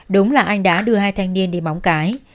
đúng là anh đã đưa hai thanh niên đi bóng cái